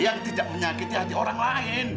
yang tidak menyakiti hati orang lain